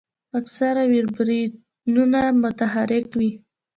اکثره ویبریونونه متحرک وي.